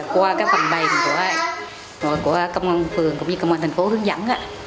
qua phần bày của công an phường cũng như công an thành phố hướng dẫn